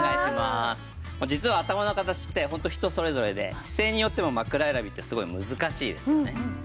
実は頭の形ってホント人それぞれで姿勢によっても枕選びってすごい難しいですよね。